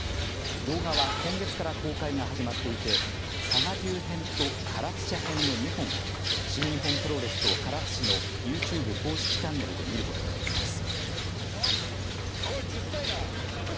動画は今月から公開が始まっていて佐賀牛編とからつ茶編の２本を新日本プロレスと唐津市のユーチューブ公式チャンネルで見ることができます。